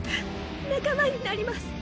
仲間になります。